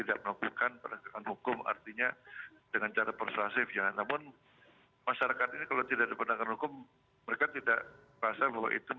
dengan kata aman itu